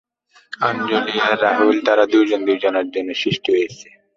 আঞ্জলি আর রাহুল তারা দুজন দুজনার জন্য সৃষ্টি হয়েছে।